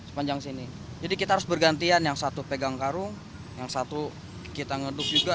sepanjang sini jadi kita harus bergantian yang satu pegang karung yang satu kita ngeduk juga